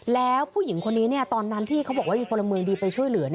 แล้วผู้หญิงคนนี้ตอนนั้นที่เขาบอกว่ามีพลเมืองดีไปช่วยเหลือ